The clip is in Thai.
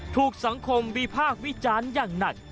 ถูกสังคมวิพากษ์วิจารณ์อย่างหนัก